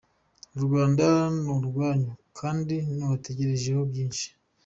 U Rwanda ni urwanyu kandi rubategerejeho byinshi.”